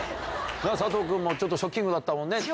佐藤君もちょっとショッキングだったもんね。